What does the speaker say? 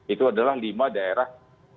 itu adalah lima daerah